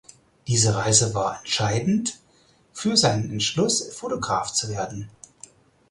Diese Reise war entscheidend für seinen Entschluss Fotograf zu werden.